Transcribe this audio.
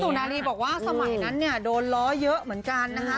นาลีบอกว่าสมัยนั้นเนี่ยโดนล้อเยอะเหมือนกันนะคะ